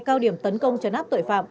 cao điểm tấn công chấn áp tội phạm